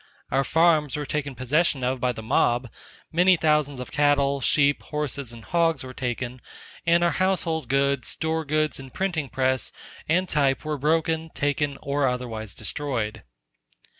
Our farms were taken possession of by the mob, many thousands of cattle, sheep, horses, and hogs were taken and our household goods, store goods, and printing press, and type were broken, taken, or otherwise destroyed.